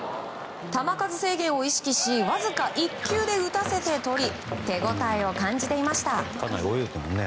球数制限を意識しわずか１球で打たせてとり手ごたえを感じていました。